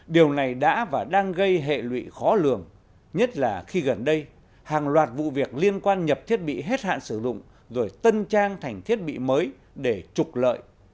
điều này đã và đang gây hệ lụy khó lường nhất là khi gần đây hàng loạt vụ việc liên quan nhập thiết bị hết hạn sử dụng rồi tân trang thành thiết bị mới để trục lợi